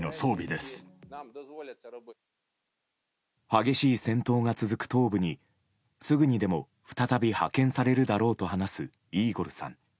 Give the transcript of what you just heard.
激しい戦闘が続く東部にすぐにでも再び派遣されるだろうと話すイーゴルさん。